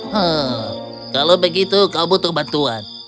hmm kalau begitu kamu butuh bantuan